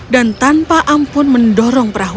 dan tanpa amat dia menemukan mereka